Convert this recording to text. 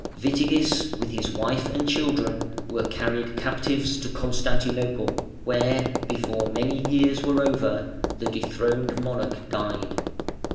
Witigis, with his wife and children, were carried captives to Constantinople where, before many years were over, the dethroned monarch died.